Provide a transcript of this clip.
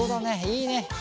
いいね。